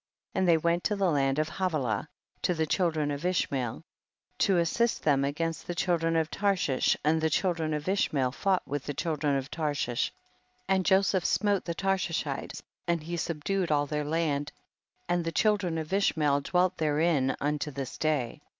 5. And they went to the land of Havilah to the children of Ishmael, to assist them against the children of Tarshish, and the children of Ishmael fought with the children of Tarshish, and Joseph smote the Tarshishites and he subdued all their land, and the children of Ishmael dwelt there in unto this day.